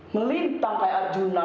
melintang kayak arjuna